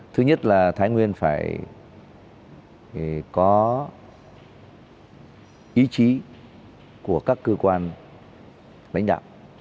thứ nhất là thái nguyên phải có ý chí của các cơ quan lãnh đạo